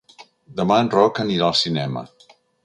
Demà en Roc anirà al cinema.